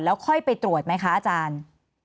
แล้วค่อยไปตรวจไหมคะอาจารย์